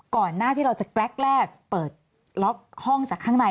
ก่อนหน้าที่เราจะแกรกแรกเปิดล็อกห้องจากข้างใน